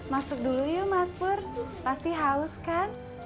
masuk dulu yuk mas pur pasti haus kan